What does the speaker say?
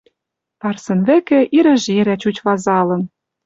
Парсын вӹкӹ ирӹ жерӓ чуч вазалын...